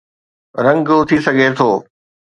رنگ آڻي سگهي ٿو.